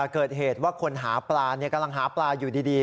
เกิดเหตุว่าคนหาปลากำลังหาปลาอยู่ดี